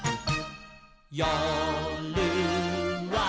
「よるは」